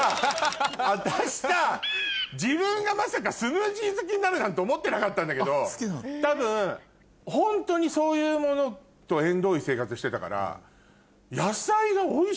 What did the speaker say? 私さ自分がまさかスムージー好きになるなんて思ってなかったんだけど多分ホントにそういうものと縁遠い生活してたから。